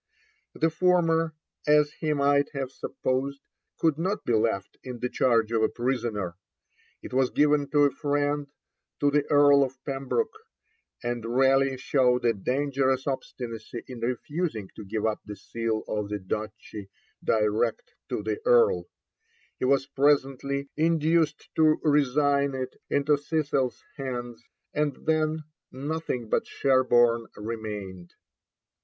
The former, as he might have supposed, could not be left in the charge of a prisoner. It was given to a friend, to the Earl of Pembroke, and Raleigh showed a dangerous obstinacy in refusing to give up the Seal of the Duchy direct to the Earl; he was presently induced to resign it into Cecil's hands, and then nothing but Sherborne remained.